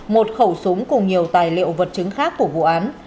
một khẩu súng cùng nhiều tài liệu vật chứng khác của vụ án